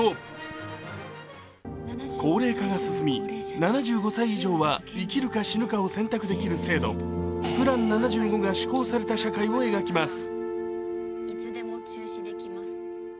高齢化が進み、７５歳以上は生きるか死ぬかを選択できる制度、プラン７５が施行された社会を描きます。